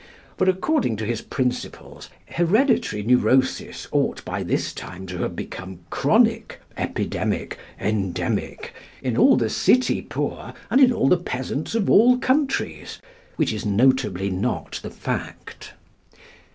For, according to his principles, hereditary neurosis ought by this time to have become chronic, epidemic, endemic, in all the city poor and in all the peasants of all countries; which is notably not the fact.